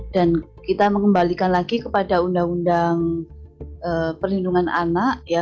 dan kita mengembalikan lagi kepada undang undang perlindungan anak